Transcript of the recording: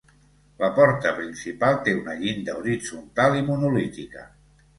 La porta principal té una llinda horitzontal i monolítica.